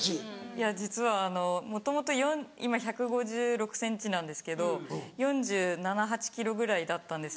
いや実はもともと今１５６ｃｍなんですけど４７４８ｋｇぐらいだったんです